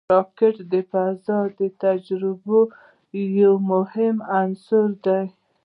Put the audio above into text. راکټ د فضا د تجربو یو مهم عنصر دی